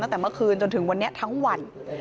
ตั้งแต่เมื่อคืนจนถึงวันนี้ทั้งวัน